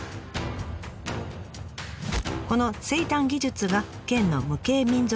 この製炭技術が県の無形民俗